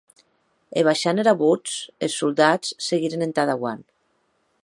E baishant era votz es soldats seguiren entà dauant.